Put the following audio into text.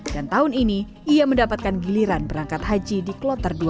dan tahun ini ia mendapatkan giliran berangkat haji di kloter dua belas